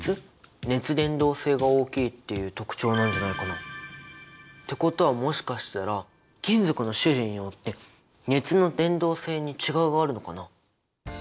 「熱伝導性が大きい」っていう特徴なんじゃないかな？ってことはもしかしたら金属の種類によって熱の伝導性に違いがあるのかな？